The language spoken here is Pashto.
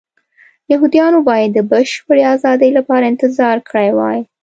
یهودیانو باید د بشپړې ازادۍ لپاره انتظار کړی وای.